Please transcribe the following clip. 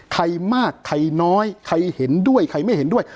ใครมากใครน้อยใครเห็นด้วยใครไม่เห็นด้วย